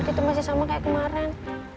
itu masih sama kayak kemarin